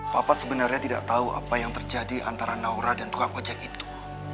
papa sebenarnya tidak tahu apa yang terjadi antara naura dan tukang ojek itu